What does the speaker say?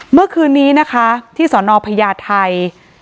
เมื่อคืนนี้ที่สอนอพญาติไทย